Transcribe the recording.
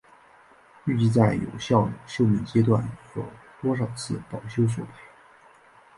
预计在有效寿命阶段有多少次保修索赔？